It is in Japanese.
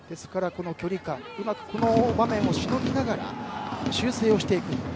距離感うまくこの場面をしのぎながら修正をしていく。